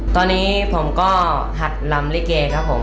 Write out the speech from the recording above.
ตอนนี้ผมก็หัดลำลิเกครับผม